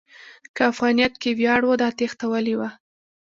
که افغانیت کې ویاړ و، دا تېښته ولې وه؟